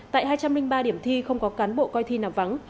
tại hai trăm linh ba điểm thi không có cán bộ coi thi nào vắng